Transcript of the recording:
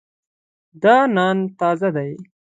دا نان تازه دی.